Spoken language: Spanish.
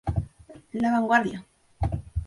La Vanguardia.